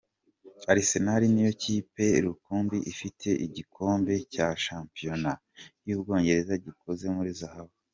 Arsenal niyo kipe rukumbi ifite igikombe cya shampiyona y’ubwongereza gikoze muri zahabu.